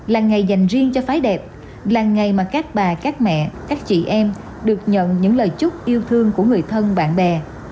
là ngày dành riêng cho phái đẹp là ngày mà các bà các mẹ các chị em được nhận những lời chúc yêu thương của người thân bạn bè